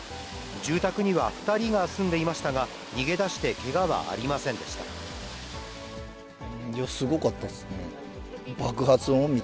住宅には２人が住んでいましたが、逃げ出してけがはありませんでしいや、すごかったですね。